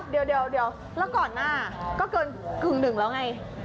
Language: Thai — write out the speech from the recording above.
เดี๋ยวแล้วก่อนหน้าก็เกินกึ่งหนึ่งแล้วไง